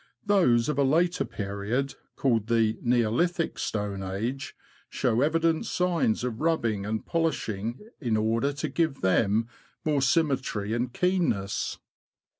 Those of a later period, called the Neolithic Stone Age, show evident signs of rubbing and polishing in order to give them more symmetry and keenness.